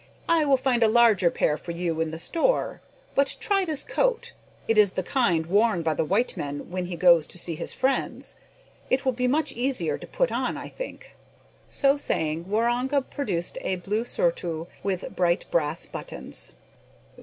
"I will find a larger pair for you in the store. But try this coat. It is the kind worn by the white man when he goes to see his friends. It will be much easier to put on, I think." So saying, Waroonga produced a blue surtout with bright brass buttons.